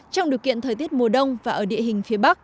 trong điều kiện thời tiết mùa đông và ở địa hình phía bắc